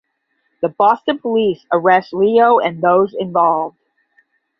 The Boston Police arrest Leo and those involved.